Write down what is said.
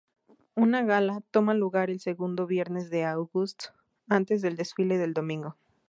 Una gala toma lugar el segundo viernes de August antes del desfile del domingo.